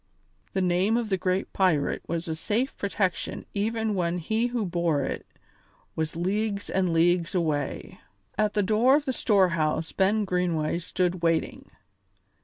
The name of the great pirate was a safe protection even when he who bore it was leagues and leagues away. At the door of the storehouse Ben Greenway stood waiting.